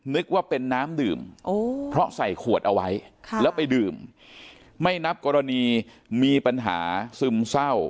นึกว่าเป็นน้ำดื่มเพราะใส่ขวดเอาไว้แล้วไปดื่มไม่นับกรณีมีปัญหาซึมเศร้า